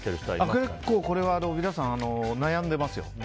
結構これは皆さん悩んでいますよ。